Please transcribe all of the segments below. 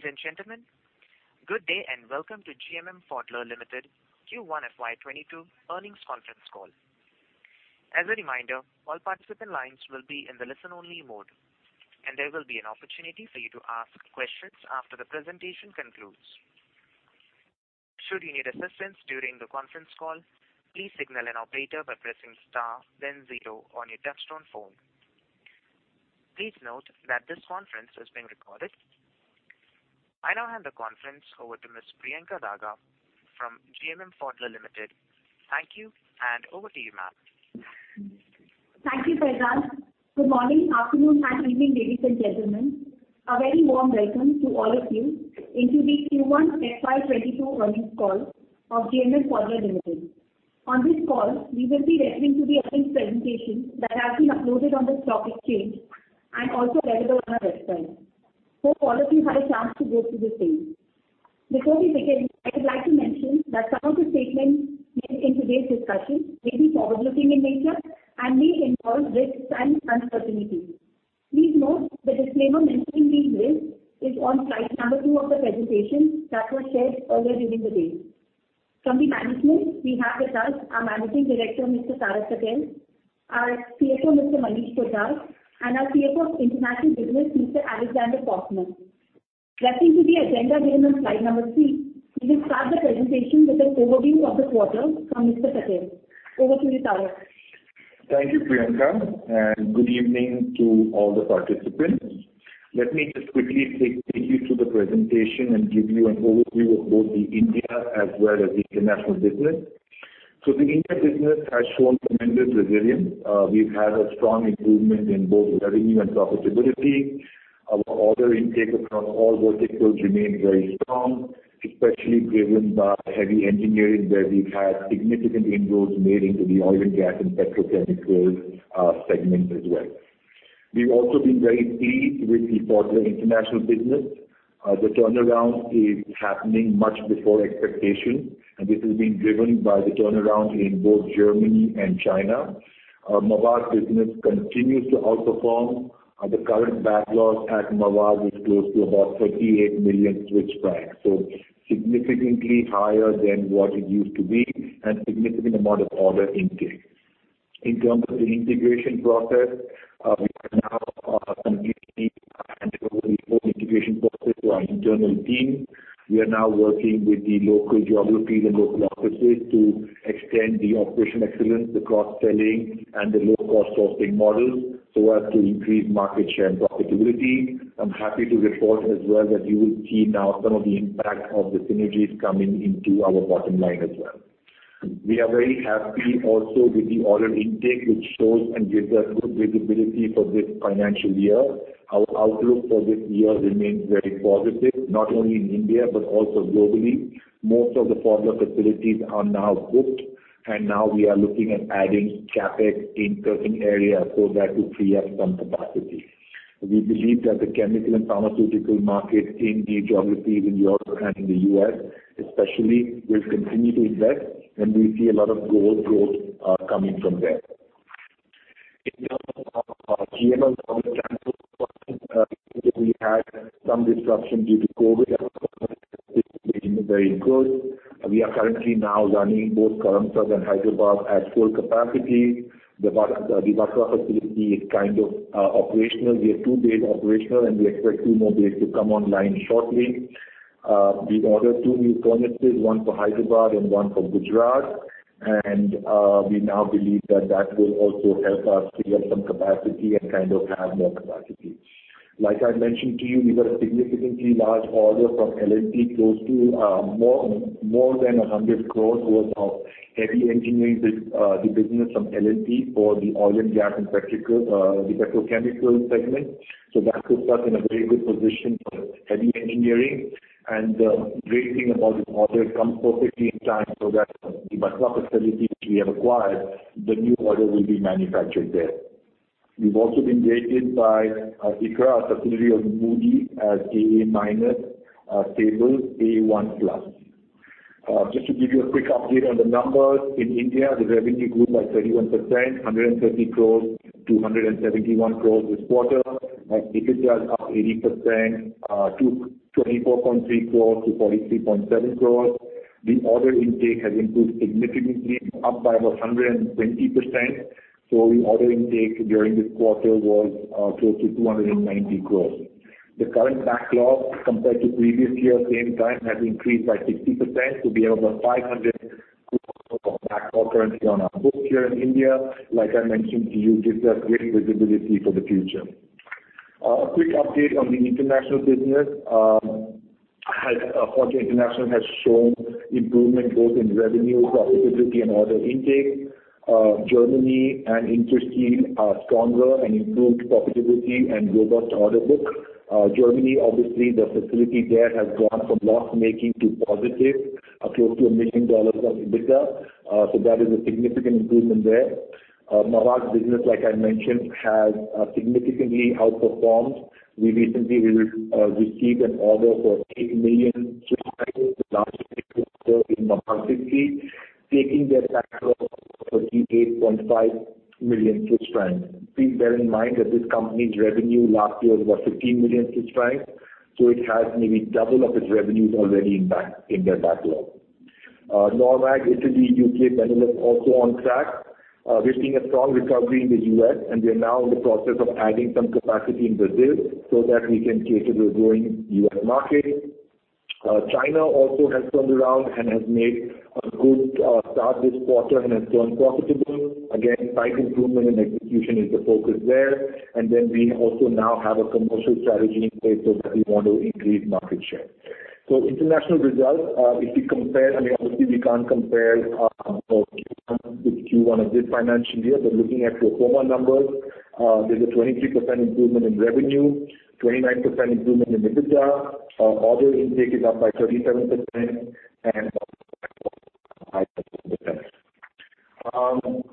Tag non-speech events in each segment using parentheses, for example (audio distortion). Ladies and gentlemen, good day and welcome to GMM Pfaudler Limited Q1 FY 2022 Earnings Conference Call. As a reminder, all participants lines will be in listen-only mode, and there will be an opportunity for you to ask questions after the presentation concludes. Should you need assistance during the conference call, please signal an operator by pressing star then zero on your touch-tone phone. Please note that this conference is being recorded. I now hand the conference over to Ms. Priyanka Daga from GMM Pfaudler Limited. Thank you, and over to you, ma'am. Thank you, Faizan. Good morning, afternoon, and evening, ladies and gentlemen. A very warm welcome to all of you into the Q1 FY 2022 Earnings Call of GMM Pfaudler Limited. On this call, we will be referring to the earnings presentation that has been uploaded on the stock exchange and also available on our website. Hope all of you had a chance to go through the same. Before we begin, I'd like to mention that some of the statements made in today's discussion may be forward-looking in nature and may involve risks and uncertainties. Please note the disclaimer mentioning these risks is on slide number two of the presentation that was shared earlier during the day. From the management, we have with us our Managing Director, Mr. Tarak Patel, our CFO, Mr. Manish Poddar, and our CFO of International Business, Mr. Alexander Poempner. Referring to the agenda given on slide number three, we will start the presentation with an overview of the quarter from Mr. Patel. Over to you, Tarak. Thank you, Priyanka, and good evening to all the participants. Let me just quickly take you through the presentation and give you an overview of both the India as well as the International business. The India business has shown tremendous resilience. We've had a strong improvement in both revenue and profitability. Our order intake across all verticals remains very strong, especially driven by heavy engineering, where we've had significant inroads made into the oil and gas and petrochemicals segments as well. We've also been very pleased with the Pfaudler International business. The turnaround is happening much before expectation, and this is being driven by the turnaround in both Germany and China. Mavag business continues to outperform. The current backlog at Mavag is close to about 38 million. Significantly higher than what it used to be and significant amount of order intake. In terms of the integration process, we have now completely handed over the whole integration process to our internal team. We are now working with the local geographies and local offices to extend the operational excellence, the cross-selling, and the low-cost sourcing models so as to increase market share and profitability. I'm happy to report as well that you will see now some of the impact of the synergies coming into our bottom-line as well. We are very happy also with the order intake, which shows and gives us good visibility for this financial year. Our outlook for this year remains very positive, not only in India but also globally. Most of the Pfaudler facilities are now booked, now we are looking at adding CapEx in certain areas so that to free up some capacity. We believe that the chemical and pharmaceutical market in the geographies in Europe and in the U.S. especially will continue to invest, and we see a lot of growth coming from there. In terms of our GMM Pfaudler, (audio distortion) we had some disruption due to COVID. This is very good. We are currently now running both Karamsad and Hyderabad at full capacity. The Vatwa facility is kind of operational. We are two days operational, and we expect two more days to come online shortly. We ordered two new furnaces, one for Hyderabad and one for Gujarat. We now believe that that will also help us free up some capacity and kind of have more capacity. Like I mentioned to you, we got a significantly large order from L&T, close to more than 100 crores worth of heavy engineering business from LLP for the oil and gas and the petrochemical segment. That puts us in a very good position for heavy engineering. The great thing about this order, it comes perfectly in time so that the Vatva facility which we have acquired, the new order will be manufactured there. We've also been rated by ICRA, a subsidiary of Moody's, as [ICRA]AA- (Stable), [ICRA]A1+. Just to give you a quick update on the numbers. In India, the revenue grew by 31%, 130 crores to 171 crores this quarter. EBITDA is up 80%, 24.3 crores to 43.7 crores. The order intake has improved significantly, up by about 120%. The order intake during this quarter was close to 290 crores. The current backlog compared to previous year same time has increased by 60% to be about 500 crores of backlog currently on our books here in India. Like I mentioned to you, gives us great visibility for the future. A quick update on the international business. Pfaudler International has shown improvement both in revenue, profitability, and order intake. Germany and Interseal are stronger and improved profitability and robust order book. Germany, obviously, the facility there has gone from loss-making to positive, close to $1 million of EBITDA. That is a significant improvement there. Mavag business, like I mentioned, has significantly outperformed. We recently received an order for 8 million. The largest customer in the market is taking their backlog of 38.5 million Swiss francs. Please bear in mind that this company's revenue last year was 15 million Swiss francs, so it has maybe 2x its revenues already in their backlog. NORMAG, Italy, U.K., Benelux, also on track. We're seeing a strong recovery in the U.S., and we are now in the process of adding some capacity in Brazil so that we can cater the growing U.S. market. China also has turned around and has made a good start this quarter and has turned profitable. Again, slight improvement in execution is the focus there. We also now have a commercial strategy in place so that we want to increase market share. International results, if you compare, I mean, obviously, we can't compare Q1 with Q1 of this financial year, but looking at pro forma numbers, there's a 23% improvement in revenue, 29% improvement in EBITDA. Order intake is up by 37%, and order backlog is up by 37%.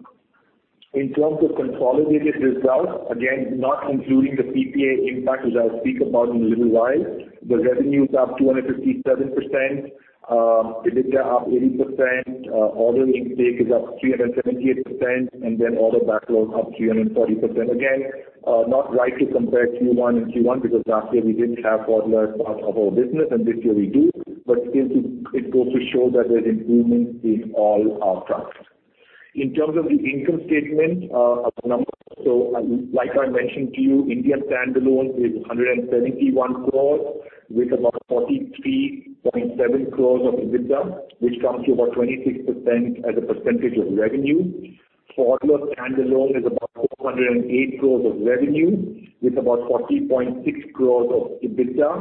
In terms of consolidated results, again, not including the PPA impact, which I'll speak about in a little while, the revenue is up 257%, EBITDA up 80%, order intake is up 378%, then order backlog up 340%. Again, not right to compare Q1 and Q1 because last year we didn't have Pfaudler as part of our business and this year we do. Still, it goes to show that there's improvement in all our fronts. In terms of the income statement numbers, like I mentioned to you, India standalone is 171 crores with about 43.7 crores of EBITDA, which comes to about 26% as a percentage of revenue. Pfaudler standalone is about 408 crores of revenue with about 40.6 crores of EBITDA,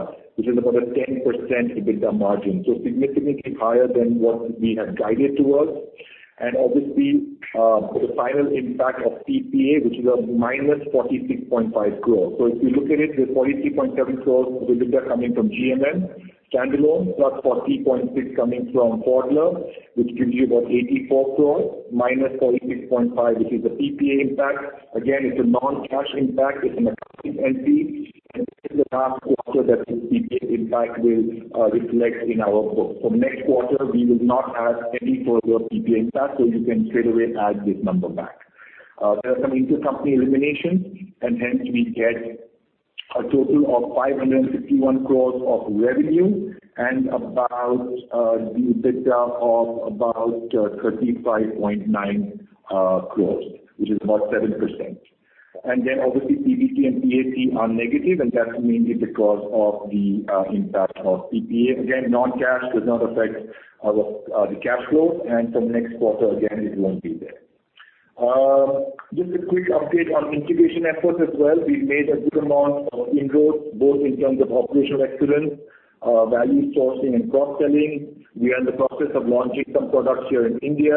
which is about a 10% EBITDA margin, significantly higher than what we had guided towards. Obviously, the final impact of PPA, which is a -46.5 crores. If you look at it, the 43.7 crores of EBITDA coming from GMM standalone, +40.6 coming from Pfaudler, which gives you about 84 crores, -46.5, which is the PPA impact. Again, it's a non-cash impact. It's an accounting entry, this is the last quarter that this PPA impact will reflect in our books. Next quarter, we will not have any further PPA impact, you can straightaway add this number back. There are some intercompany eliminations, hence we get a total of 561 crores of revenue and the EBITDA of about 35.9 crores, which is about 7%. Then obviously, PBT and PAT are negative, and that's mainly because of the impact of PPA. Again, non-cash, does not affect the cash flow, and from next quarter, again, it won't be there. Just a quick update on integration efforts as well. We've made a good amount of inroads, both in terms of operational excellence, value sourcing, and cross-selling. We are in the process of launching some products here in India.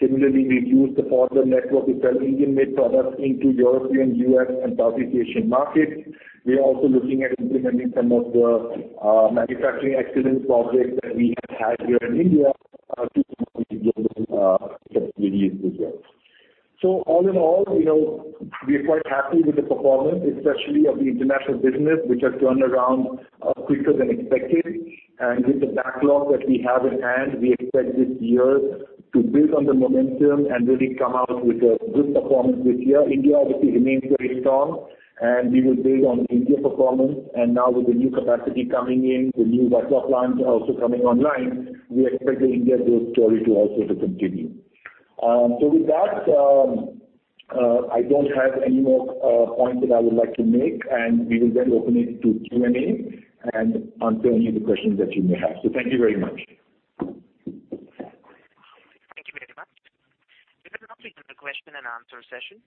Similarly, we've used the Pfaudler network to sell Indian-made products into European, U.S., and Southeast Asian markets. We are also looking at implementing some of the manufacturing excellence projects that we have had here in India to some of the global facilities as well. All in all, we are quite happy with the performance, especially of the international business, which has turned around quicker than expected. With the backlog that we have in hand, we expect this year to build on the momentum and really come out with a good performance this year. India obviously remains very strong, and we will build on India performance. Now with the new capacity coming in, the new backlog lines are also coming online, we expect the India growth story to also to continue. With that, I don't have any more points that I would like to make, and we will then open it to Q&A and answer any of the questions that you may have. Thank you very much. Thank you very much. We will now begin the question and answer session.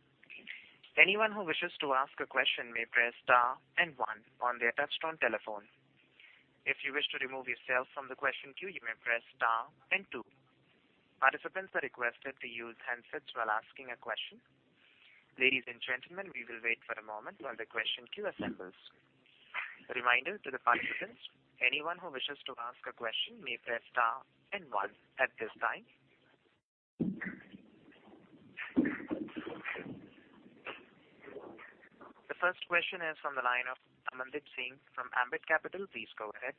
Anyone who wishes to ask a question may press star one on their touch-tone telephone. If you wish to remove yourself from the question queue, you may press star two. Participants are requested to use handsets while asking a question. Ladies and gentlemen, we will wait for a moment while the question queue assembles. Reminder to the participants, anyone who wishes to ask a question may press star one at this time. The first question is from the line of Amandeep Singh from Ambit Capital. Please go ahead.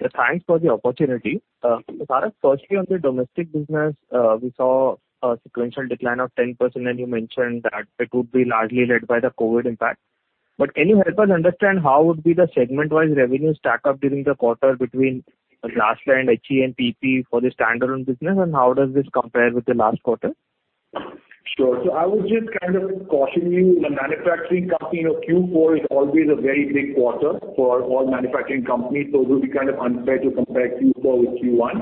Yeah, thanks for the opportunity. Firstly, on the domestic business, we saw a sequential decline of 10%, and you mentioned that it would be largely led by the COVID impact. Can you help us understand how would be the segment-wise revenue stack up during the quarter between glass-lined, HE, and PP for the standalone business, and how does this compare with the last quarter? Sure. I would just kind of caution you, the manufacturing company of Q4 is always a very big quarter for all manufacturing companies, it will be kind of unfair to compare Q4 with Q1.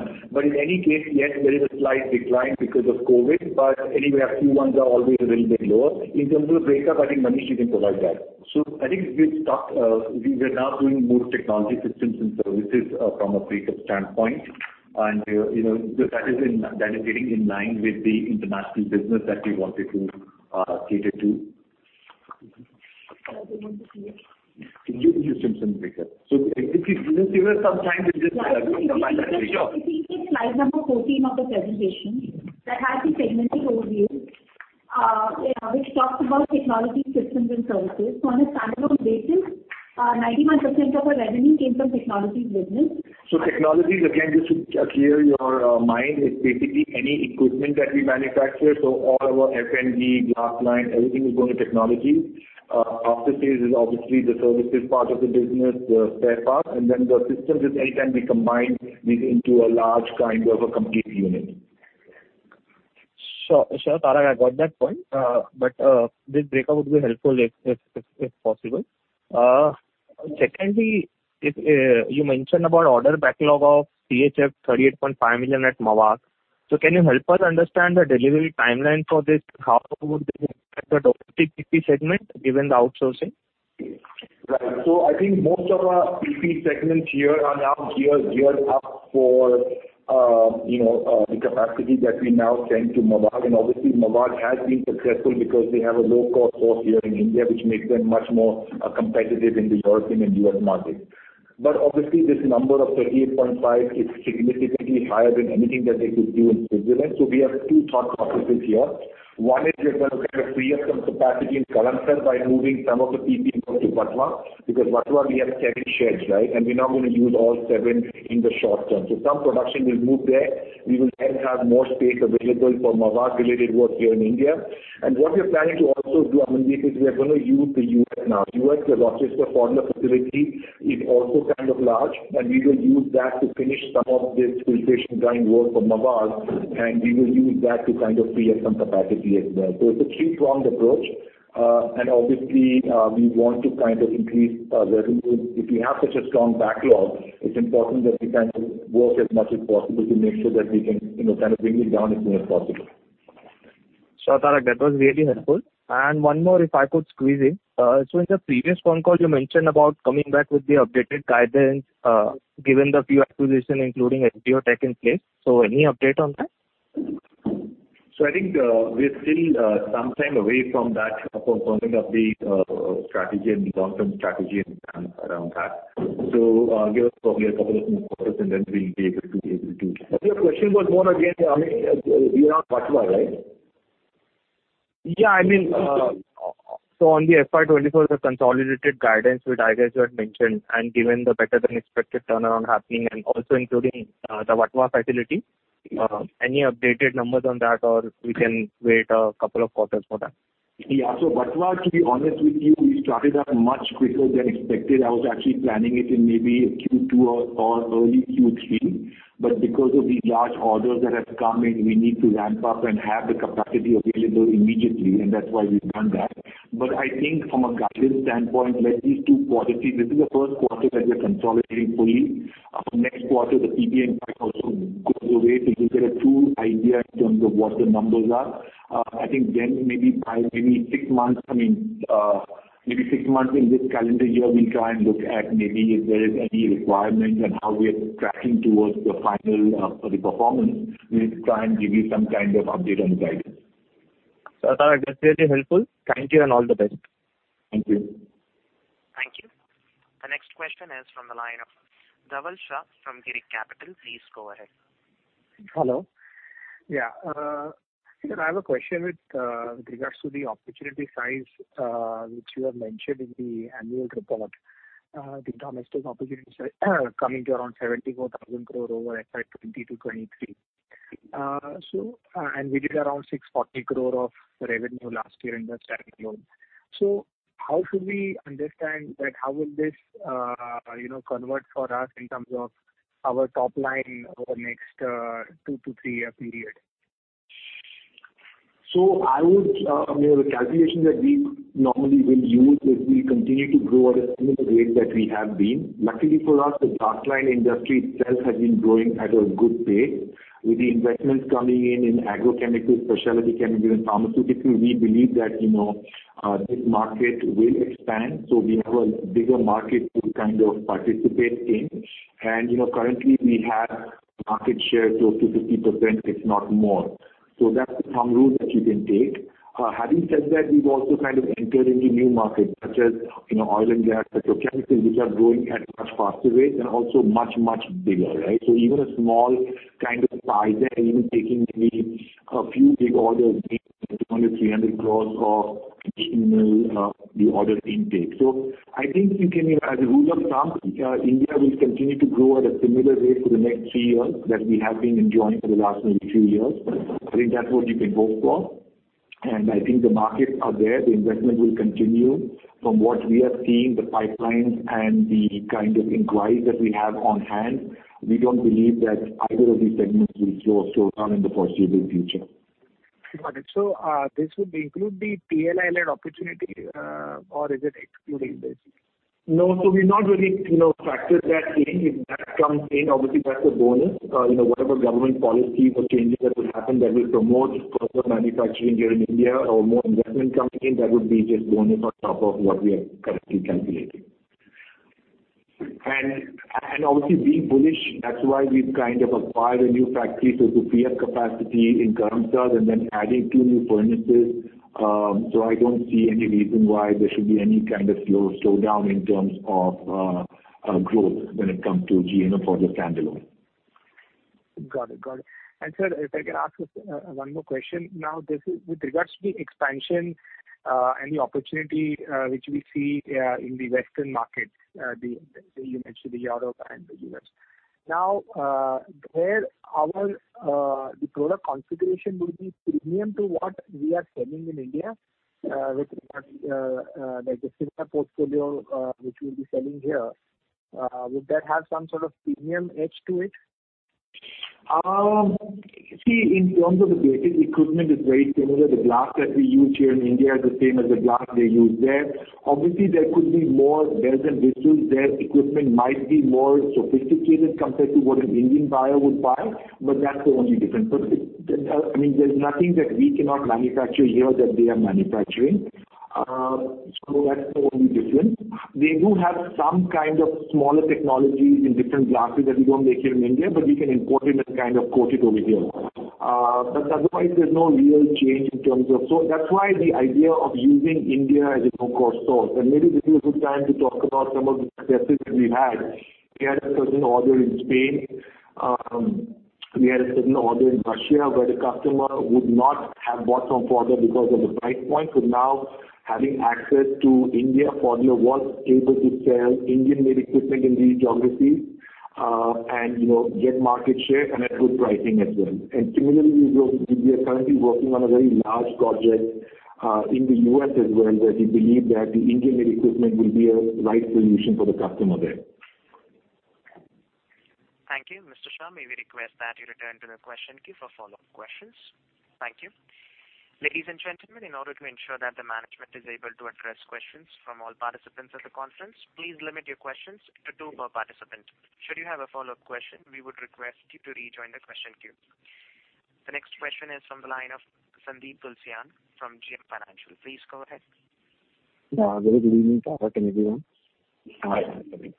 In any case, yes, there is a slight decline because of COVID, but anyway, our Q1s are always a little bit lower. In terms of breakup, I think Manish Poddar can provide that. I think we've talked, we are now doing more technology systems and services from a breakup standpoint. That is getting in line with the international business that we wanted to cater to. I don't want to see it. Can you give systems breakup? If you can see slide number 14 of the presentation, that has the segmented overview. Which talks about technology systems and services on a standalone basis. 91% of our revenue came from technologies business. Technologies, again, just to clear your mind, is basically any equipment that we manufacture. All our [PMG] glass-lined, everything is going to technology. After-sales is obviously the services part of the business, the spare part, and then the systems which any time we combine into a large kind of a complete unit. Sure, Tarak, I got that point, but this breakout would be helpful if possible. Secondly, you mentioned about order backlog of CHF 38.5 million at Mavag. Can you help us understand the delivery timeline for this? How would this affect the domestic PP segment given the outsourcing? Right. I think most of our PP segments here are now geared up for the capacity that we now send to Mavag. Obviously, Mavag has been successful because they have a low cost source here in India, which makes them much more competitive in the European and U.S. market. Obviously, this number of 38.5 is significantly higher than anything that they could do in Switzerland. We have two thought processes here. One is we're going to kind of free up some capacity in Karamsad by moving some of the PP work to Vatwa, because Vatwa we have seven sheds. We're now going to use all seven in the short-term. Some production will move there. We will then have more space available for Mavag-related work here in India. What we're planning to also do, Amandeep, is we are going to use the U.S. now. U.S., the Rochester Pfaudler facility is also kind of large, and we will use that to finish some of this filtration drying work for Mavag, and we will use that to kind of free up some capacity as well. It's a two-pronged approach. Obviously, we want to increase our revenue. If we have such a strong backlog, it's important that we kind of work as much as possible to make sure that we can bring it down as soon as possible. Sure, Tarak. That was really helpful. One more if I could squeeze in. In the previous phone call you mentioned about coming back with the updated guidance, given the few acquisition including HDO tech in place. Any update on that? I think we're still some time away from that, from forming up the strategy and long-term strategy and plan around that. Give us probably a couple of more quarters and then we'll be able to. Your question was more again, around Vatwa, right? Yeah. On the FY 2024, the consolidated guidance with [Divi's] you had mentioned and given the better than expected turnaround happening and also including the Vatva facility. Any updated numbers on that or we can wait a couple of quarters for that? Yeah. Vatva, to be honest with you, we started up much quicker than expected. I was actually planning it in maybe Q2 or early Q3. Because of the large orders that have come in, we need to ramp-up and have the capacity available immediately, and that's why we've done that. I think from a guidance standpoint, let these two quarters see. This is the 1st quarter that we are consolidating fully. Next quarter, the PPA part also goes away. You will get a true idea in terms of what the numbers are. I think maybe by six months in this calendar year we'll try and look at maybe if there is any requirement and how we are tracking towards the final for the performance. We'll try and give you some kind of update on the guidance. Sure, Tarak. That's really helpful. Thank you and all the best. Thank you. Thank you. The next question is from the line of Dhaval Shah from Girik Capital. Please go ahead. Hello. Yeah. I have a question with regards to the opportunity size, which you have mentioned in the annual report. The domestic opportunity size coming to around 74,000 crore over FY 2020 to FY 2023. We did around 640 crore of revenue last year in the standalone. How should we understand that how will this convert for us in terms of our top-line over next two to three-year period? The calculation that we normally will use is we will continue to grow at a similar rate that we have been. Luckily for us, the glass-lined industry itself has been growing at a good pace with the investments coming in in agrochemicals, specialty chemicals, and pharmaceuticals. We believe that this market will expand, so we have a bigger market to participate in. Currently we have market share close to 50%, if not more. That's the thumb rule that you can take. Having said that, we have also kind of entered into new markets such as oil and gas, petrochemicals, which are growing at much faster rates and also much, much bigger. Even a small kind of size there, even taking maybe a few big orders, be it 200 crore, 300 crore of the order intake. I think you can, as a rule of thumb, India will continue to grow at a similar rate for the next three years that we have been enjoying for the last maybe few years. I think that's what you can hope for, and I think the markets are there. The investment will continue from what we are seeing, the pipelines and the kind of inquiries that we have on hand. We don't believe that either of these segments will slow down in the foreseeable future. Got it. This would include the PLI opportunity, or is it excluding this? No. We've not really factored that in. If that comes in, obviously that's a bonus. Whatever government policy or changes that will happen that will promote further manufacturing here in India or more investment coming in, that would be just bonus on top of what we have currently calculated. Obviously being bullish, that's why we've kind of acquired a new factory, so to free up capacity in Karamsad and then adding two new furnaces. I don't see any reason why there should be any kind of slow down in terms of growth when it comes to GMM Pfaudler standalone. Got it. Sir, if I can ask one more question. With regards to the expansion, and the opportunity which we see in the Western markets, you mentioned the Europe and the U.S. There, our product configuration will be premium to what we are selling in India, with regard the similar portfolio which we'll be selling here. Would that have some sort of premium edge to it? In terms of the basic equipment, it's very similar. The glass that we use here in India is the same as the glass they use there. Obviously, there could be more bells and whistles there. Equipment might be more sophisticated compared to what an Indian buyer would buy, but that's the only difference. There's nothing that we cannot manufacture here that they are manufacturing. That's the only difference. They do have some kind of smaller technologies in different glasses that we don't make here in India, but we can import it and kind of coat it over here. Otherwise, there's no real change. That's why the idea of using India as a low-cost source, and maybe this is a good time to talk about some of the successes we've had. We had a certain order in Spain. We had a certain order in Russia where the customer would not have bought from Pfaudler because of the price point. Now, having access to India, Pfaudler was able to sell Indian-made equipment in these geographies, and get market share and at good pricing as well. Similarly, we are currently working on a very large project in the U.S. as well, that we believe that the Indian-made equipment will be a right solution for the customer there. Thank you. Mr. Shah, may we request that you return to the question queue for follow-up questions. Thank you. Ladies and gentlemen, in order to ensure that the management is able to address questions from all participants at the conference, please limit your questions to two per participant. Should you have a follow-up question, we would request you to rejoin the question queue. The next question is from the line of Sandeep Tulsiyan from JM Financial. Please go ahead. Yeah. Very good evening, Tarak and everyone. Hi, Sandeep.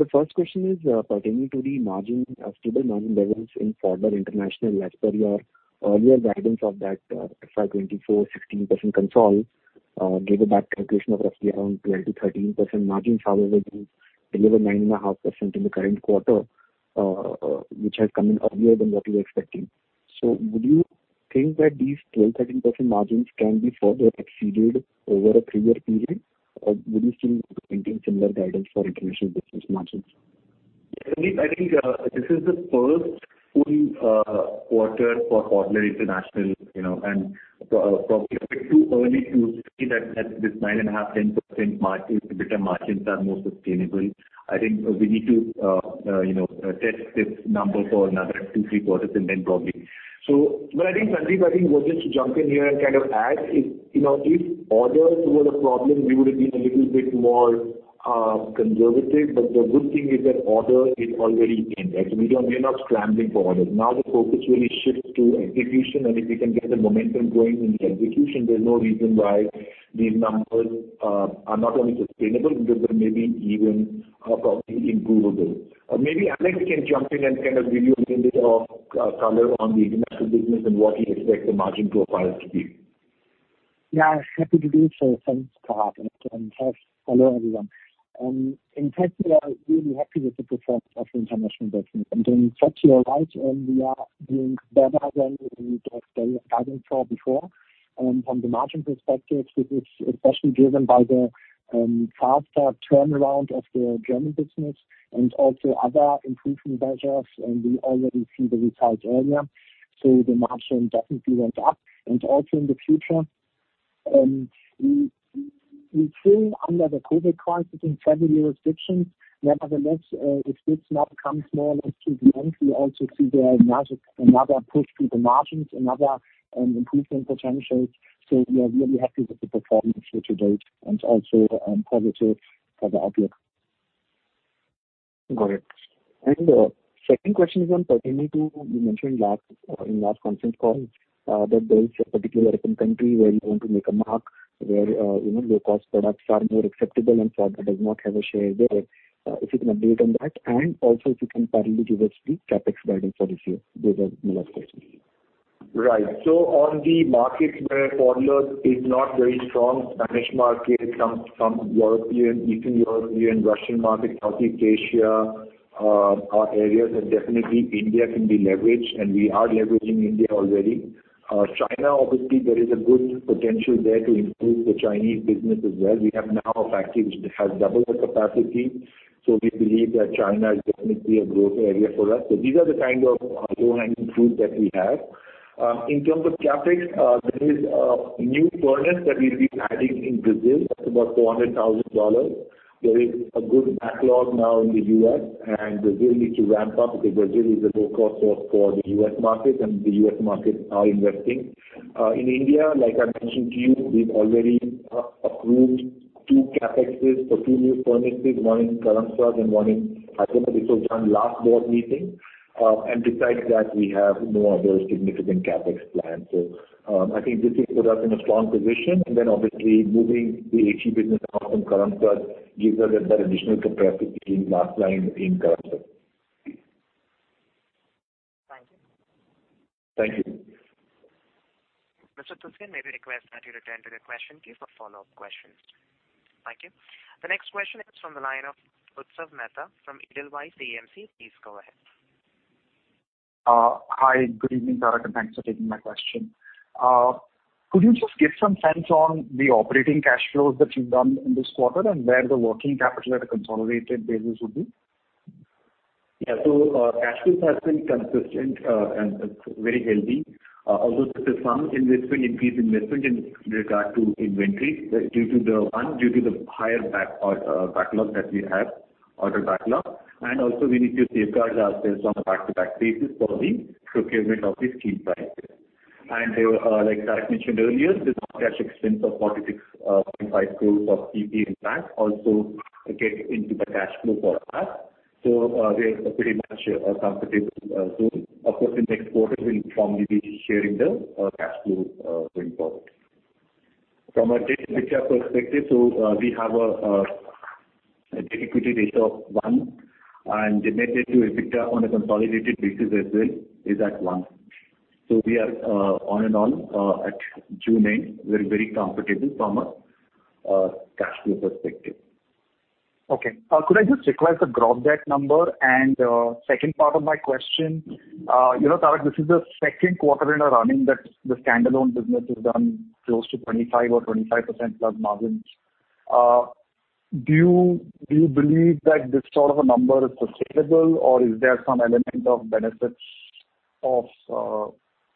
The first question is pertaining to the margin, sustainable margin levels in Pfaudler International as per your earlier guidance of that FY 2024, 16% consolidated, gave a back calculation of roughly around 12%-13% margins. However, you delivered 9.5% in the current quarter, which has come in earlier than what we were expecting. Would you think that these 12%-13% margins can be further exceeded over a three-year period? Or would you still maintain similar guidance for International business margins? Sandeep, I think this is the first full quarter for Pfaudler International, probably a bit too early to say that this 9.5%-10% EBITDA margins are more sustainable. I think we need to test this number for another two, three quarters. I think, Sandeep, I think we'll just jump in here and kind of add, if orders were the problem, we would've been a little bit more conservative. The good thing is that order is already in. We are not scrambling for orders. The focus really shifts to execution, if we can get the momentum going in the execution, there's no reason why these numbers are not only sustainable but they may be even probably improvable. Maybe Alex can jump in and kind of give you a little bit of color on the international business and what he expects the margin profile to be. Yeah, happy to do so. Thanks, Tarak, and hello, everyone. In fact, we are really happy with the performance of the International business. In fact, you are right, we are doing better than we had stated guidance for before. From the margin perspective, which is especially driven by the faster turnaround of the German business and also other improvement measures, and we already see the results earlier. The margin definitely went up, and also in the future. We're still under the COVID crisis in certain jurisdictions. Nevertheless, if this now comes more or less to the end, we also see there another push to the margins, another improvement potential. We are really happy with the performance here-to-date and also positive for the outlook. Got it. Second question is on pertaining to, you mentioned in last conference call, that there is a particular African country where you want to make a mark, where low-cost products are more acceptable and Pfaudler does not have a share there. If you can update on that, and also if you can parallelly give us the CapEx guidance for this year. Those are my last questions. Right. On the markets where Pfaudler is not very strong, Spanish market, some European, Eastern European, Russian market, Southeast Asia, are areas that definitely India can be leveraged, and we are leveraging India already. China, obviously, there is a good potential there to improve the Chinese business as well. We have now a factory which has double the capacity. We believe that China is definitely a growth area for us. These are the kind of low-hanging fruit that we have. In terms of CapEx, there is a new furnace that we'll be adding in Brazil. That's about $400,000. There is a good backlog now in the U.S., and Brazil needs to ramp-up because Brazil is a low-cost source for the U.S. market, and the U.S. market are investing. In India, like I mentioned to you, we've already approved two CapExes for two new furnaces, one in Karamsad and one in Hyderabad. This was done last board meeting. Besides that, we have no other significant CapEx plans. I think this has put us in a strong position. Then obviously, moving the HE business out from Karamsad gives us that additional capacity in glass-lined in Karamsad. Thank you. Thank you. Mr. Tulsiyan, may we request that you return to the question queue for follow-up questions? Thank you. The next question is from the line of Utsav Mehta from Edelweiss AMC. Please go ahead. Hi, good evening, Tarak. Thanks for taking my question. Could you just give some sense on the operating cash flows that you've done in this quarter and where the working capital at a consolidated basis would be? Cash flows have been consistent, and it's very healthy. Also, there's some increased investment in regard to inventory, one, due to the higher backlog that we have, order backlog. Also we need to safeguard ourselves on a back-to-back basis for the procurement of these key parts. Like Tarak mentioned earlier, this cash expense of 46.5 crore of PPA impact also gets into the cash flow for us. We are pretty much comfortable. Of course in the next quarter we'll formally be sharing the cash flow input. From a debt picture perspective, we have a debt equity ratio of 1 and the net debt to EBITDA on a consolidated basis as well is at 1. We are on and on at June-end. We're very comfortable from a cash flow perspective. Okay. Could I just request the gross debt number? Second part of my question, Tarak, this is the second quarter in a running that the standalone business has done close to 25% or 25%+ margins. Do you believe that this sort of a number is sustainable or is there some element of benefits of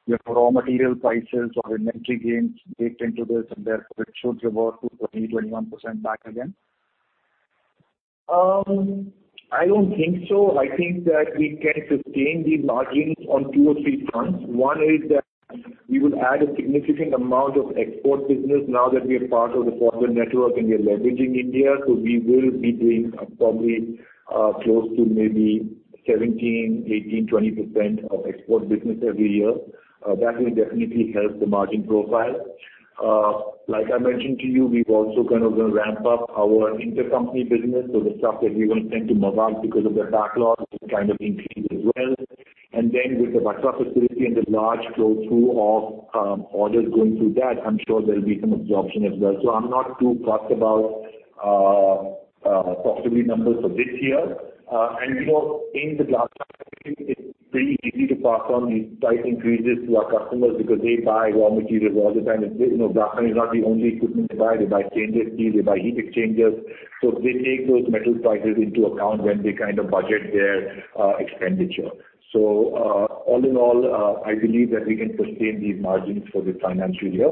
your raw material prices or inventory gains baked into this and therefore it should revert to 20%-21% back again? I don't think so. I think that we can sustain these margins on two or three fronts. One is that we would add a significant amount of Export business now that we are part of the Pfaudler network and we are leveraging India. We will be doing probably close to maybe 17%, 18%, 20% of export business every year. That will definitely help the margin profile. Like I mentioned to you, we've also going to ramp-up our Intercompany business. The stuff that we will send to Mavag because of their backlog will kind of increase as well. Then with the Vatva facility and the large flow through of orders going through that, I'm sure there'll be some absorption as well. I'm not too crossed about, possibly, numbers for this year. In the glass it's pretty easy to pass on these price increases to our customers because they buy raw materials all the time. Glass is not the only equipment they buy. They buy [centrifuges], they buy heat exchangers. They take those metal prices into account when they budget their expenditure. All in all, I believe that we can sustain these margins for this financial year.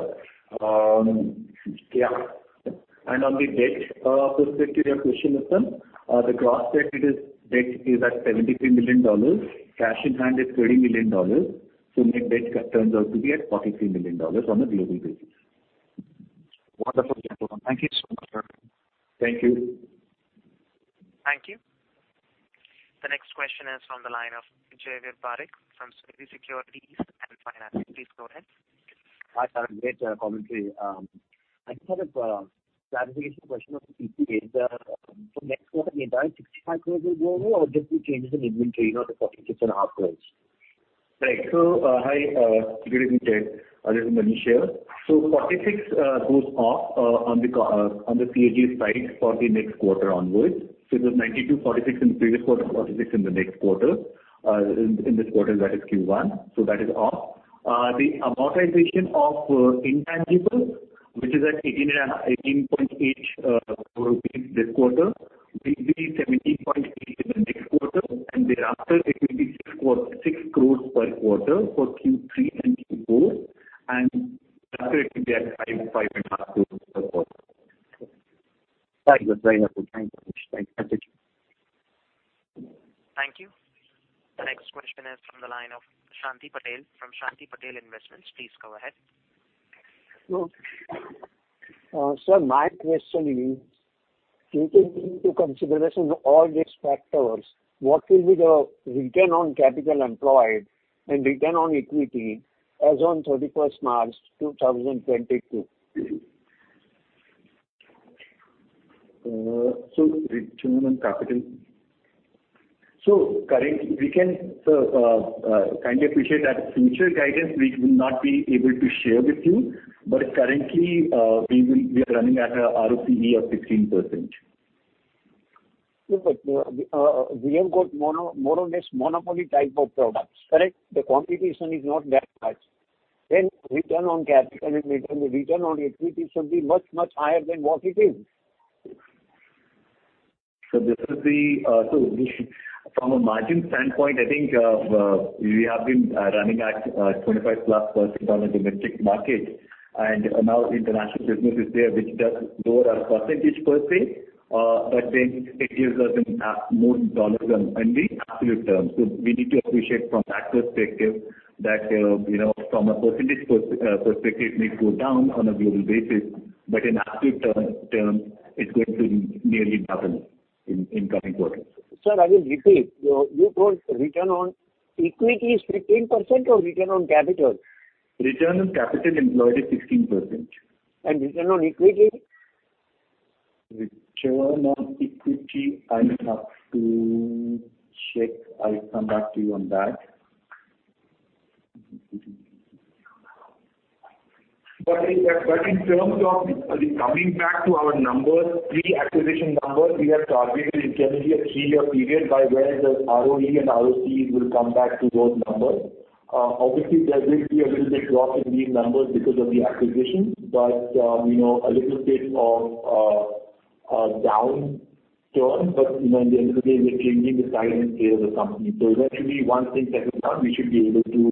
On the debt perspective, your question, Utsav, the gross debt is at $73 million. Cash in hand is $30 million. Net debt turns out to be at $43 million on a global basis. Wonderful, gentlemen. Thank you so much. Thank you. Thank you. The next question is from the line of Jayveer Parekh from Sunidhi Securities and Finance. Please go ahead. Hi, Tarak. Great commentary. I just had a clarification question on the PPA. For next quarter, the entire INR 65 crores will go away or just the changes in inventory, not the INR 46.5 crores? Right. Hi. Good evening, Jay. This is Manish here. 46 goes off on the COGS side for the next quarter onwards. It was 92, 46 in the previous quarter, 46 in the next quarter. In this quarter, that is Q1. That is off. The amortization of intangibles, which is at 18.8 crore rupees this quarter, will be 17.8 crore in the next quarter, and thereafter it will be 6 crore per quarter for Q3 and Q4, and after it will be at INR 5.5 crore per quarter. Right. That's very helpful. Thank you much. Thank you. Thank you. The next question is from the line of Shanti Patel from Shanti Patel Investments. Please go ahead. Sir, my question is, taking into consideration all these factors, what will be the return on capital employed and return on equity as on 31st March 2022? Return on capital. Kindly appreciate that future guidance we will not be able to share with you, but currently, we are running at a ROCE of 15%. Yeah, we have got more or less monopoly type of products. Correct? The competition is not that much. Return on capital and return on equity should be much, much higher than what it is. From a margin standpoint, I think we have been running at 25+% on the domestic market, and now International business is there, which does lower our percentage per se, but then it gives us more dollars on only absolute terms. We need to appreciate from that perspective that, from a percentage perspective, it may go down on a global basis, but in absolute terms, it's going to nearly double in coming quarters. Sir, I will repeat. You told return on equity is 15% or return on capital? Return on Capital Employed is 16%. Return on equity? Return on equity, I'll have to check. I'll come back to you on that. In terms of coming back to our numbers, pre-acquisition numbers, we have targeted internally a three-year period by where the ROE and ROC will come back to those numbers. Obviously, there will be a little bit drop in the numbers because of the acquisition, a little bit of a downturn, at the end of the day, it will be the silent period of the company. Eventually, once things settle down, we should be able to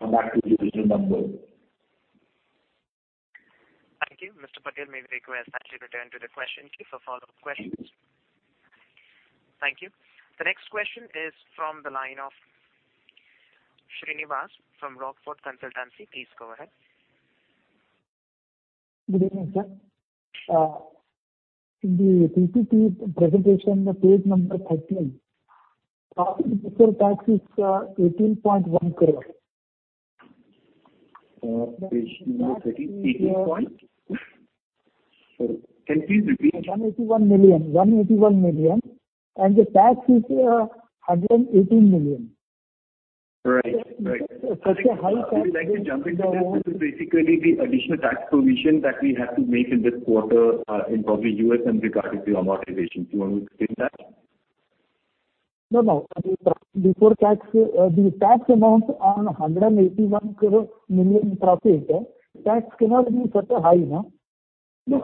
come back to the original numbers. Thank you. Mr. Patel, may I request that you return to the questions queue for follow-up questions? Thank you. The next question is from the line of Srinivas from Rockfort Consultancy. Please go ahead. Good evening, sir. In the PPT presentation on page number 13, Profit Before Tax is INR 18.1 crore. Page number 13, 18 point. Sorry, can you please repeat? 181 million, and the tax is 118 million. Right. Such a high tax. Would you like to jump into this? This is basically the additional tax provision that we have to make in this quarter, probably U.S. and regarding the amortization. Do you want me to explain that? No. The tax amount on 181 crore profit, tax cannot be such high, no?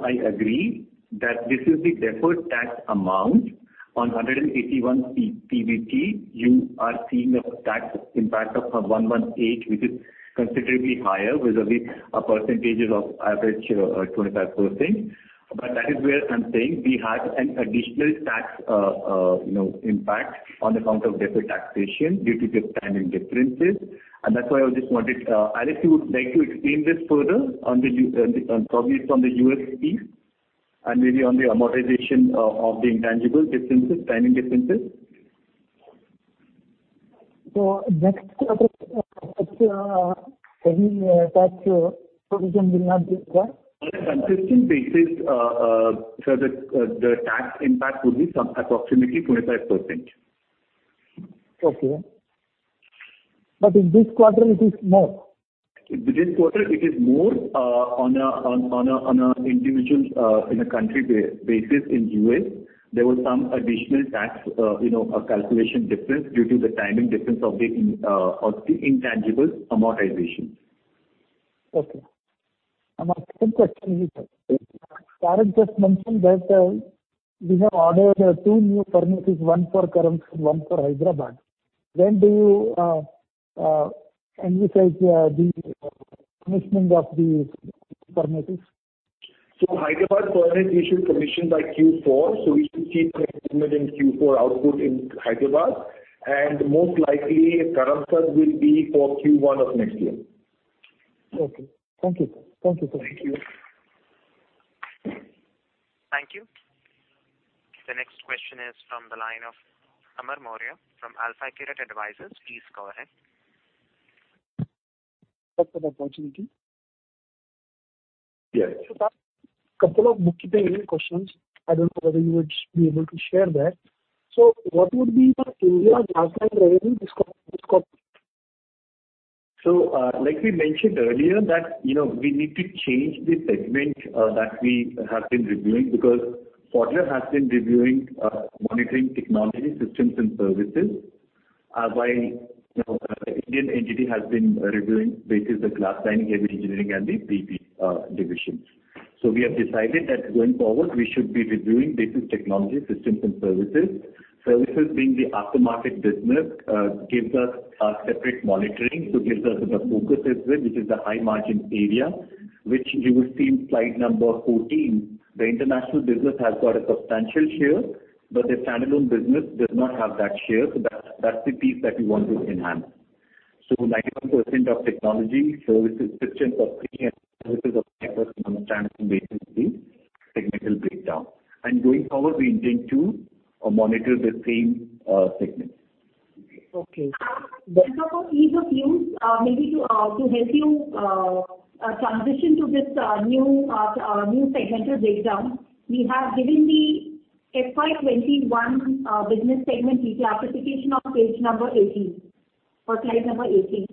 I agree that this is the deferred tax amount on 181 PBT. You are seeing a tax impact of 118, which is considerably higher. The percentage is of average 25%. That is where I'm saying we had an additional tax impact on account of deferred taxation due to the timing differences. That's why I just wanted Alex to explain this further, probably from the U.S. piece and maybe on the amortization of the intangible timing differences. Next quarter any tax provision will not be there? On a consistent basis, sir, the tax impact would be approximately 25%. Okay. In this quarter it is more. This quarter it is more on a individual, in a country basis in U.S., there were some additional tax calculation difference due to the timing difference of the intangible amortization. Okay. My second question is, Tarak just mentioned that we have ordered two new furnaces, one for Karamsad, one for Hyderabad. When do you envisage the commencement of these furnaces? Hyderabad furnace, we should commission by Q4, so we should see commitment in Q4 output in Hyderabad, and most likely Karamsad will be for Q1 of next year. Okay. Thank you, sir. Thank you. Thank you. The next question is from the line of Amar Maurya from AlfAccurate Advisors. Please go ahead. Thank you for the opportunity. Yes. Sir, couple of bookkeeping questions. I don't know whether you would be able to share that. What would be the India revenue this quarter? Like we mentioned earlier that we need to change the segment that we have been reviewing because Pfaudler has been reviewing monitoring technology systems and services, while Indian entity has been reviewing basis the glass lining, heavy engineering, and the PP divisions. We have decided that going forward, we should be reviewing basis technology systems and services. Services being the aftermarket business, gives us a separate monitoring. Gives us where the focus is with, which is the high margin area, which you will see in slide 14. The International business has got a substantial share, but the standalone business does not have that share. That's the piece that we want to enhance. 91% of technology, services, systems and services of 10% basically segmental breakdown. Going forward, we intend to monitor the same segments. Okay. Sir, for ease of use, maybe to help you transition to this new segmental breakdown, we have given the FY 2021 business segment detail classification on page number 18 or slide number 18,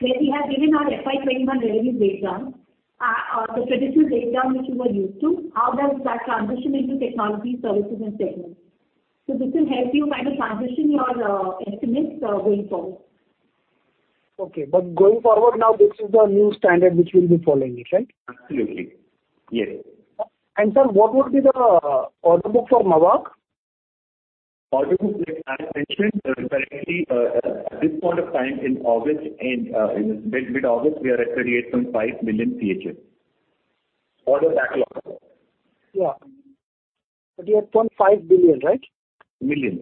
where we have given our FY 2021 revenue breakdown. The traditional breakdown which you were used to, how does that transition into technology services and segments. This will help you kind of transition your estimates going forward. Okay, going forward now this is the new standard which we'll be following, right? Absolutely. Yes. Sir, what would be the order book for Mavag? Order book, as mentioned currently at this point of time in mid-August, we are at 38.5 million CHF. Order backlog. Yeah. INR 38.5 billion, right? million.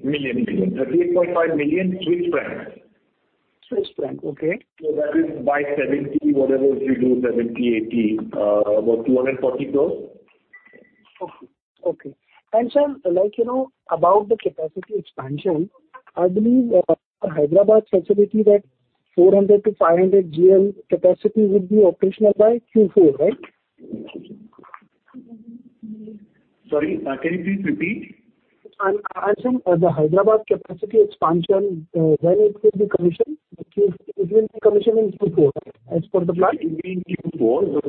Swiss franc. Okay. That is by 70, whatever if you do 70, 80, about ₹240 crores. Okay. Sir, about the capacity expansion, I believe Hyderabad facility that 400-500 GMM capacity would be operational by Q4, right? Sorry, can you please repeat? I assume the Hyderabad capacity expansion, when it will be commissioned? It will be commissioned in Q4, as per the plan. It will be in Q4.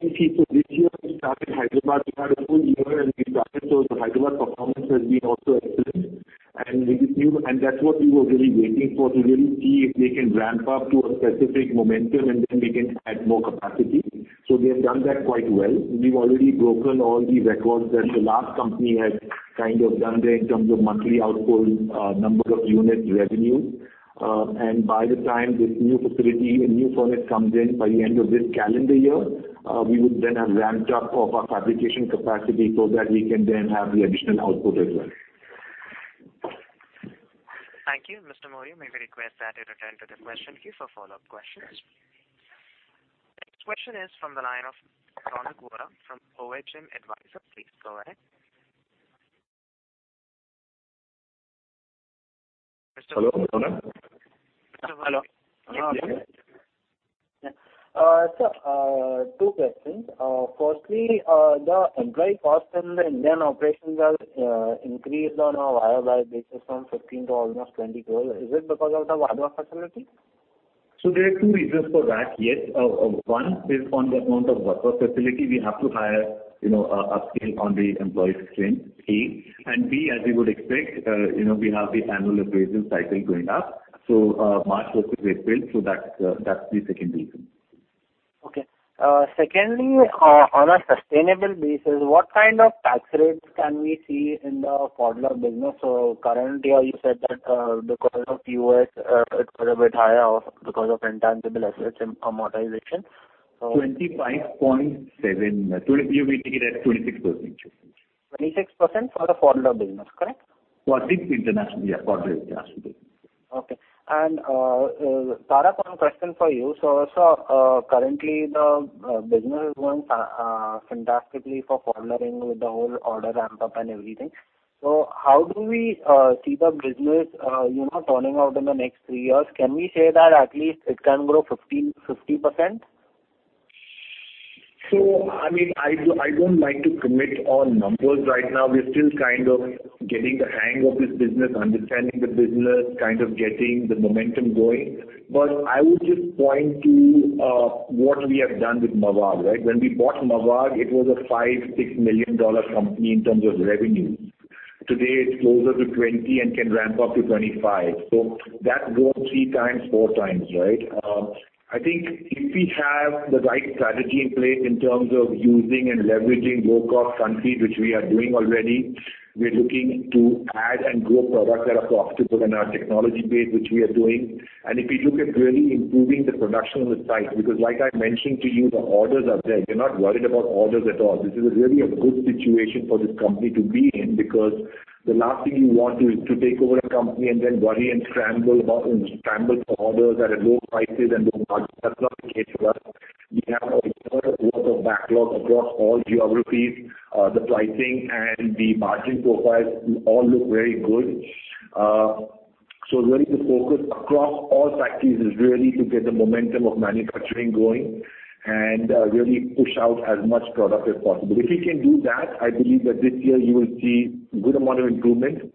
This year we started Hyderabad. We had a full-year, the Hyderabad performance has been also excellent. That's what we were really waiting for, to really see if we can ramp-up to a specific momentum, and then we can add more capacity. We have done that quite well. We've already broken all the records that the last company had kind of done there in terms of monthly output, number of units, revenue. By the time this new facility and new furnace comes in by the end of this calendar year, we would then have ramped-up our fabrication capacity so that we can then have the additional output as well. Thank you. Mr. Maurya, may we request that you return to the question queue for follow-up questions. Next question is from the line of Ronak Vora from OHM Advisor. Please go ahead. Hello. Mr. Vora. Hello. Sir, two questions. Firstly, the employee cost in the Indian operations has increased on a YoY basis from 15% to almost 20%. Is it because of the Vadodara facility? There are two reasons for that. Yes, one is on the account of Vadodara facility, we have to hire, upskill on the employee strength, A. B, as you would expect, we have the annual appraisal cycle going up. March was the base bill, so that's the second reason. Okay. Secondly, on a sustainable basis, what kind of tax rates can we see in the Pfaudler business? Currently you said that because of U.S. it was a bit higher or because of intangible assets amortization. You will be looking at 26%. 26% for the Pfaudler business, correct? For the international, yeah, Pfaudler International business. Okay. Tarak, one question for you. Sir, currently the business is going fantastically for Pfaudler with the whole order ramp-up and everything. How do we see the business turning out in the next three years? Can we say that at least it can grow 50%? I don't like to commit on numbers right now. We're still kind of getting the hang of this business, understanding the business, kind of getting the momentum going. I would just point to what we have done with Mavag. When we bought Mavag, it was a $5 million, $6 million company in terms of revenue. Today, it's closer to $20 million and can ramp-up to $25 million. That grew 3x, 4x. I think if we have the right strategy in place in terms of using and leveraging low-cost countries, which we are doing already, we're looking to add and grow products that are profitable in our technology base, which we are doing. If we look at really improving the production on the site, because like I mentioned to you, the orders are there. We're not worried about orders at all. This is really a good situation for this company to be in, because the last thing you want is to take over a company and then worry and scramble for orders that are low prices and low margins. That's not the case with us. We have a fair amount of backlog across all geographies. The pricing and the margin profiles all look very good. Really the focus across all factories is really to get the momentum of manufacturing going and really push out as much product as possible. If we can do that, I believe that this year you will see good amount of improvement.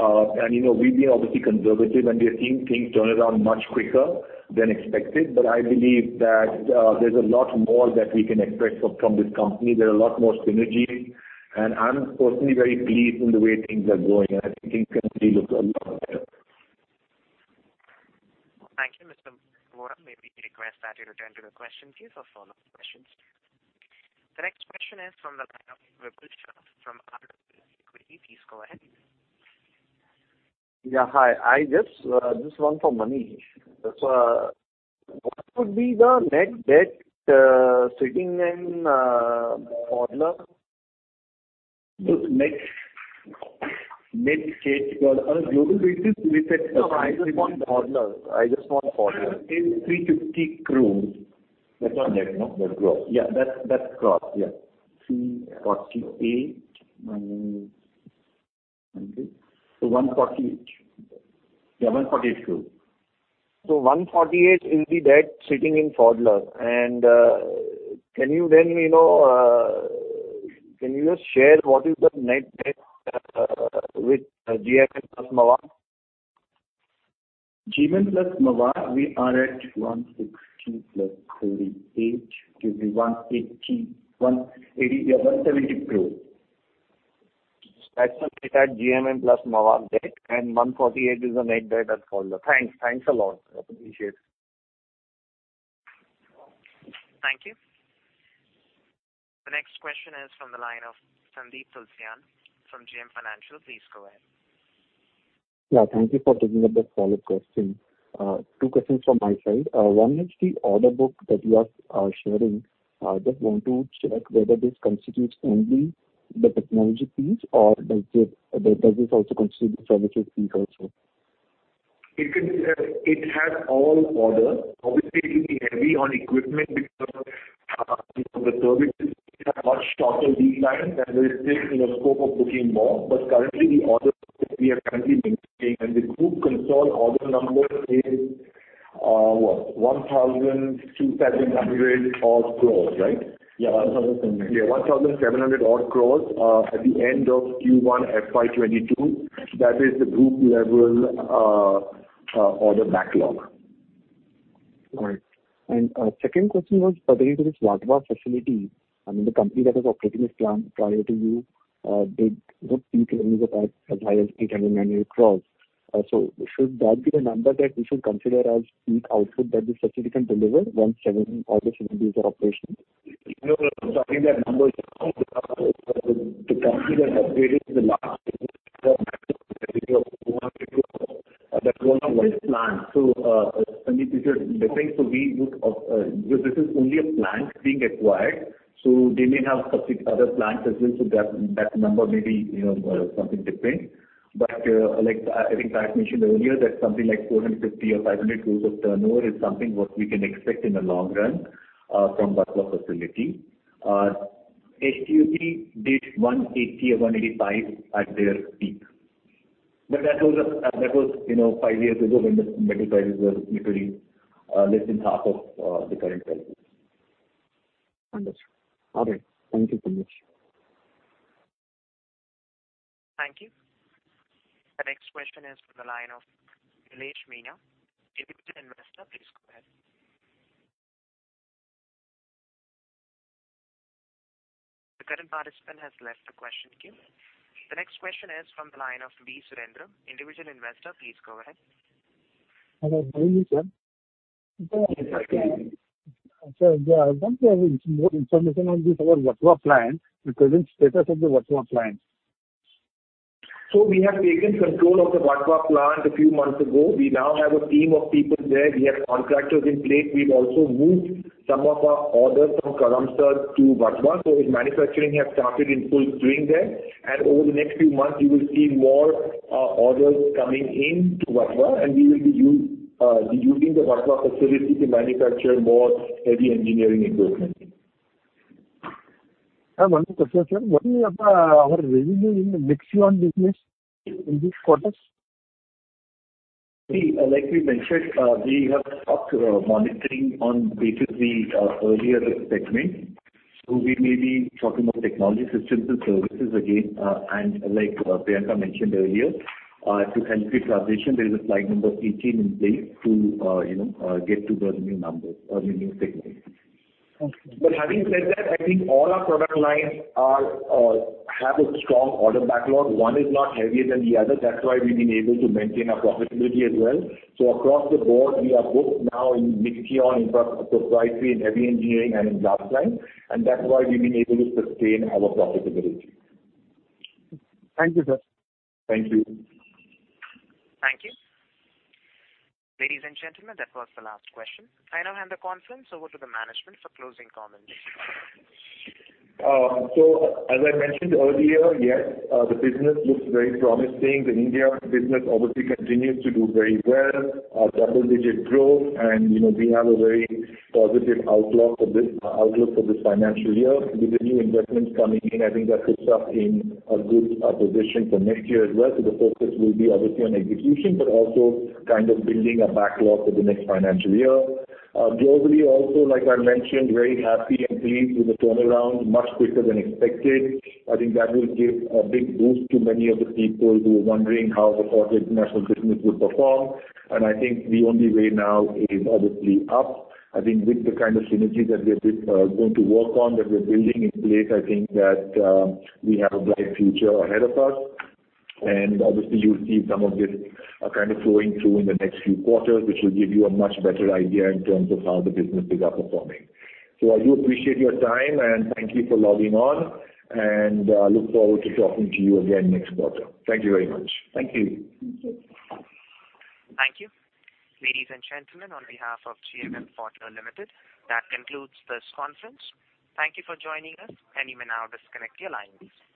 We've been obviously conservative, and we are seeing things turn around much quicker than expected. I believe that there's a lot more that we can expect from this company. There are a lot more synergies, and I'm personally very pleased in the way things are going, and I think things can still look a lot better. Thank you, Mr. Vora. May we request that you return to the question queue for follow-up questions. The next question is from the line of Vipul Shah from RBL Equity. Please go ahead. Yeah, hi. Just one for Manish. What would be the net debt sitting in Pfaudler? The net? Net debt. Global it is with. No, I just want Pfaudler. It's 350 crore. That's not net, no? That's gross. Yeah. That's gross, yeah. 348 - INR 90. 148. Yeah, 148 crore. 148 is the debt sitting in Pfaudler. Can you just share what is the net debt with GMM plus Mavag? GMM plus Mavag, we are at 160 +48, gives me 180. Yeah, INR 170 crore. That's the debt at GMM plus Mavag debt, and 148 is the net debt at Pfaudler. Thanks. Thanks a lot. Appreciate it. Thank you. The next question is from the line of Sandeep Tulsiyan from JM Financial. Please go ahead. Yeah, thank you for taking up the follow-up question. Two questions from my side. One is the order book that you are sharing. Just want to check whether this constitutes only the technology piece or does this also constitute the services piece also? It has all orders. Obviously, it will be heavy on equipment because the services have much shorter lead time than there is still in the scope of booking more. Currently, the orders we are currently maintaining and the group consolidated order number is what? 1,000, 2,700 odd crore, right? Yeah. 1,700. Yeah, 1,700 odd crore at the end of Q1 FY 2022. That is the group level order backlog. Right. Second question was pertaining to this Vatva facility. I mean, the company that was operating this plant prior to you did good peak earnings of as high as 800 crore-900 crore. Should that be the number that we should consider as peak output that this facility can deliver once all the facilities are operational? No, I think that number is the company that upgraded the last of INR 450 crore. Of this plant. (audio distortion) Sandeep, I think this is only a plant being acquired, they may have other plants as well. That number may be something different. I think Tarak mentioned earlier that something like 450 crore or 500 crore of turnover is something what we can expect in the long run from Vatva facility. HDO did 180 crore or 185 crore at their peak. That was five years ago when the metal prices were literally less than half of the current prices. Understood. All right. Thank you so much. Thank you. The next question is from the line of Nilesh Meena, individual investor. Please go ahead. The current participant has left the question queue. The next question is from the line of V. Surendra, individual investor. Please go ahead. Hello. Good evening, sir. Yes, go ahead. Sir, I want to have more information on this, our Vatva plant, the present status of the Vatva plant. We have taken control of the Vatva plant a few months ago. We now have a team of people there. We have contractors in place. We've also moved some of our orders from Karamsad to Vatva. Manufacturing has started in full swing there. Over the next few months, you will see more orders coming in to Vatva, and we will be using the Vatva facility to manufacture more heavy engineering equipment. I have one question, sir. What is our revenue in the Mixion business in this quarter? Like we mentioned, we have stopped monitoring on B2B earlier this segment. We may be talking about technology systems and services again. Like Priyanka mentioned earlier, to help with transition, there is a slide number 18 in place to get to the new numbers or the new segment. Okay. Having said that, I think all our product lines have a strong order backlog. One is not heavier than the other. That's why we've been able to maintain our profitability as well. Across the board, we are booked now in Mixion, in proprietary, in heavy engineering and in glass-lined, and that's why we've been able to sustain our profitability. Thank you, sir. Thank you. Thank you. Ladies and gentlemen, that was the last question. I now hand the conference over to the management for closing comments. As I mentioned earlier, yes, the business looks very promising in India. Business obviously continues to do very well, double-digit growth, and we have a very positive outlook for this financial year. With the new investments coming in, I think that puts us in a good position for next year as well. The focus will be obviously on execution, but also kind of building a backlog for the next financial year. Globally, also, like I mentioned, very happy and pleased with the turnaround much quicker than expected. I think that will give a big boost to many of the people who were wondering how the Pfaudler International business would perform. I think the only way now is obviously up. I think with the kind of synergy that we're going to work on, that we're building in place, I think that we have a bright future ahead of us. Obviously you'll see some of this kind of flowing through in the next few quarters, which will give you a much better idea in terms of how the businesses are performing. I do appreciate your time and thank you for logging on, and look forward to talking to you again next quarter. Thank you very much. Thank you. Thank you. Ladies and gentlemen, on behalf of GMM Pfaudler Limited, that concludes this conference. Thank you for joining us and you may now disconnect your lines.